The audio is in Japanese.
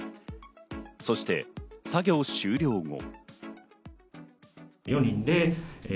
そして作業終了後。